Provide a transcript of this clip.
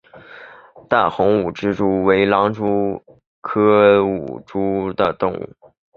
淡红舞蛛为狼蛛科舞蛛属的动物。